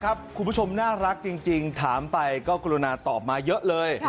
มนุษย์น่ารักจริงถามไปก็กุโลนาตอบมาเยอะเลย